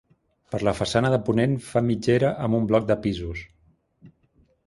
Per la façana de ponent fa mitgera amb un bloc de pisos.